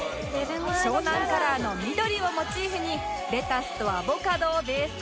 湘南カラーの緑をモチーフにレタスとアボカドをベースとした一品です